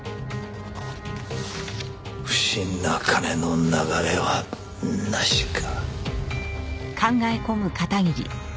不審な金の流れはなしか。